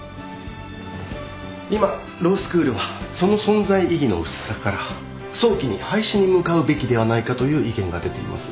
今ロースクールはその存在意義の薄さから早期に廃止に向かうべきではないかという意見が出ています。